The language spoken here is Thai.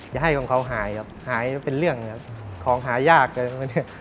อย่าให้ของเขาหายครับหายเป็นเรื่องของหายากนะครับ